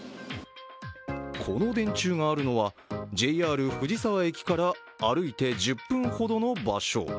この電柱があるのは、ＪＲ藤沢駅から歩いて１０分ほどの場所。